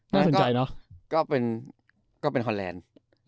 น่าสนใจเนอะก็เป็นฮอนแลนด์